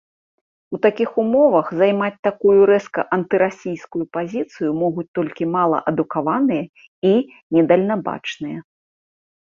У такіх умовах займаць такую рэзка антырасійскую пазіцыю могуць толькі малаадукаваныя і недальнабачныя.